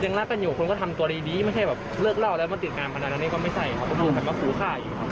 อย่างนั้นเป็นอยู่คนก็ทำตัวดีไม่ใช่แบบเลิกเล่าแล้วมาติดการขนาดนั้นก็ไม่ใช่ครับคือแบบผู้ค่าอยู่ครับ